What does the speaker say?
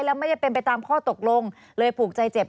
แล้วไม่ได้เป็นไปตามข้อตกลงเลยผูกใจเจ็บ